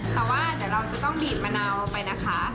แต่ว่าเดี๋ยวเราจะต้องบีบมะนาวไปนะคะ